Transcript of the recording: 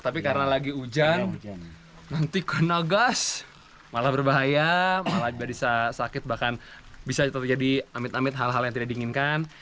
tapi karena lagi hujan nanti kena gas malah berbahaya malah bisa sakit bahkan bisa terjadi amit amit hal hal yang tidak diinginkan